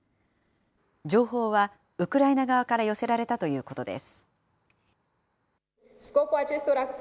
情報はウクライナ側から寄せられたということです。